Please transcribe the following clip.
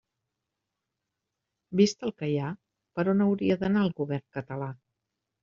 Vist el que hi ha, ¿per on hauria d'anar el Govern català?